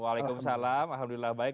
waalaikumsalam alhamdulillah baik